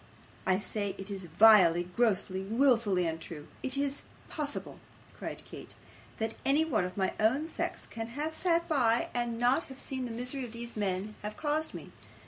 I say it IS vilely, grossly, wilfully untrue. Is it possible!' cried Kate, 'that anyone of my own sex can have sat by, and not have seen the misery these men have caused me?